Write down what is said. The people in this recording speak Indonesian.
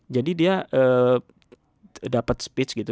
jadi dia dapet speech gitu